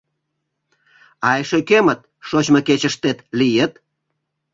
А эше кӧмыт шочмо кечышкет лийыт?